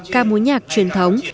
ca mối nhạc truyền thống